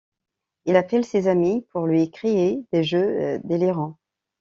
Il appelle ses amis pour lui créer des jeux délirants.